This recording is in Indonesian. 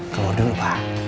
keluar dulu pak